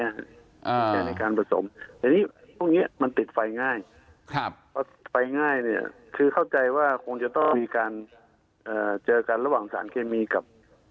ในการผสมแต่พวกเนี้ยมันติดไฟง่ายครับ